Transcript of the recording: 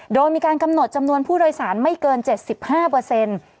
โดยมีการกำหนดจำนวนผู้โดยสารไม่เกิน๗๕เปอร์เซ็นต์